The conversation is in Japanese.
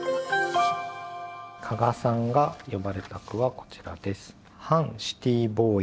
加賀さんが詠まれた句はこちらです。